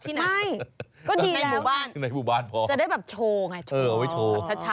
ไม่ก็ดีแล้วในหมู่บ้านพอจะได้แบบโชว์ไงโชว์เอาไว้โชว์